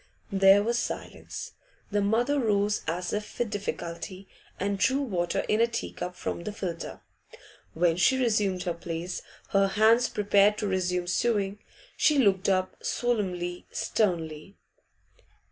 There was silence. The mother rose as if with difficulty, and drew water in a tea cup from the filter. When she resumed her place, her hands prepared to resume sewing. She looked up, solemnly, sternly.